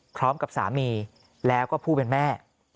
พร้อมกับสามีแล้วก็ผู้เป็นแม่